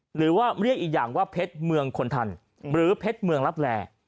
หรือว่าเรียกอีกอย่างว่าเพชรเมืองคนทันหรือเพชรเมืองลับแล